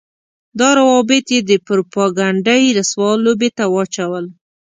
دا روابط يې د پروپاګنډۍ رسوا لوبې ته واچول.